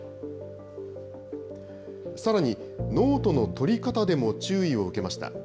さらに、ノートの取り方でも注意を受けました。